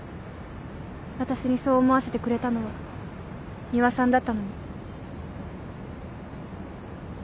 私にそう思わせてくれたのは仁和さんだったのに。